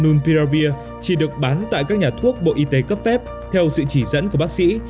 thuốc môn nulpiravir chỉ được bán tại các nhà thuốc bộ y tế cấp phép theo sự chỉ dẫn của bác sĩ